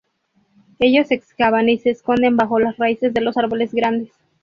Ellos excavan y se esconden bajo las raíces de los árboles grandes.